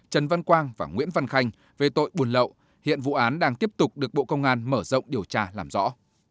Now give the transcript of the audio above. trần văn quang và nguyễn văn khanh về tội buôn lậu hiện vụ án đang tiếp tục được bộ công an mở rộng điều tra làm rõ